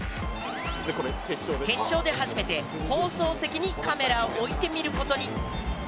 決勝で初めて放送席にカメラを置いてみる事に。